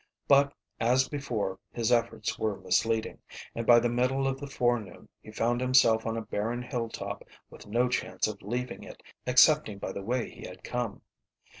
But, as before, his efforts were misleading, and by the middle of the forenoon he found himself on a barren hilltop with no chance of leaving it excepting by the way he had come.